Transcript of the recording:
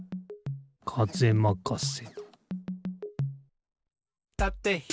かぜまかせ。